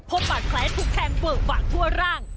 พบบาดแผลถูกแทงเวอะหวะทั่วร่าง